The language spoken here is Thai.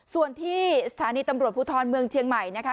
ส่วนที่สถานีตำรวจภูทรเมืองเชียงใหม่นะคะ